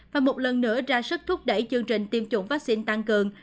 và một lần nữa ra sức thúc đẩy chương trình tiêm chủng vaccine tăng cường